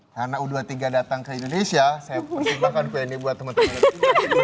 karena u dua puluh tiga datang ke indonesia saya persimpahkan ini buat temen temen